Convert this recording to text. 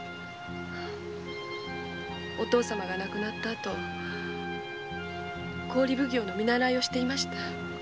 お父様が亡くなった後郡奉行の見習いをしていました。